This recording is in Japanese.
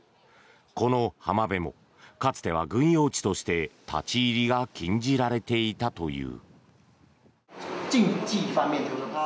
この浜辺もかつては軍用地として立ち入りが禁じられていたという。